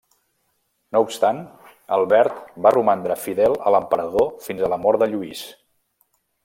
No obstant Albert va romandre fidel a l'emperador fins a la mort de Lluís.